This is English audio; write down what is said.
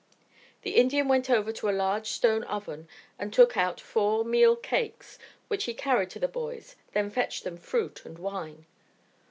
The Indian went over to a large stone oven and took out four meal cakes, which he carried to the boys, then fetched them fruit and wine.